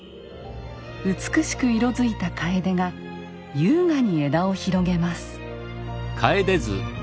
美しく色づいた楓が優雅に枝を広げます。